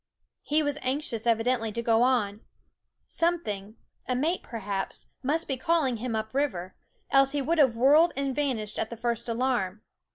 He was anxious, evidently, to go on. Something, a mate perhaps, must be calling him up river ; else he would have whirled and vanished at the first alarm.